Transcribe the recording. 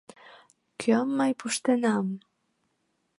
Кӧм мый пуштынам?